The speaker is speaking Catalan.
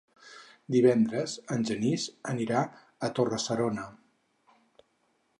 Divendres en Genís anirà a Torre-serona.